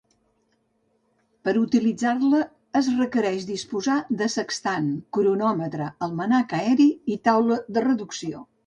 Per a utilitzar-la es requereix disposar de sextant, cronòmetre, almanac aeri i taula de reducció.